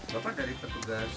bapak dari petugas